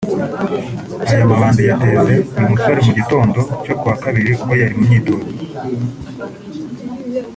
Aya mabandi yateze uyu musore mu gitondo cyo ku wa Kabiri ubwo yari mu myitozo